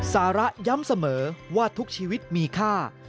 สาระย้ำเสมอว่าทุกชีวิตมีค่า